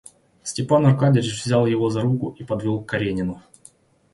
Степан Аркадьич взял его за руку и подвел к Каренину.